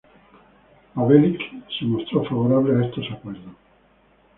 Pavelić se mostró favorable a estos acuerdos.